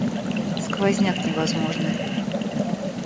Сквозняк невозможный.